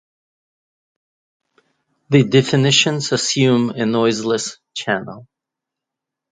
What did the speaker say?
The definitions assume a noiseless channel.